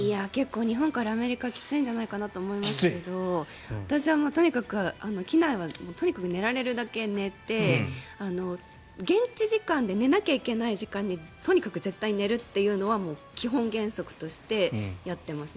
日本からアメリカきついんじゃないかと思うんですけど私はとにかく機内は寝られるだけ寝て現地時間で寝なきゃいけない時間にとにかく絶対寝るというのは基本原則としてやってますね。